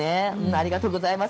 ありがとうございます。